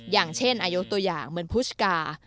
อย่างเช่นอายุตัวอย่างเหมือนพุชกา